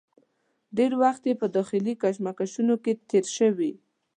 ډېر وخت یې په داخلي کشمکشونو کې تېر شوی.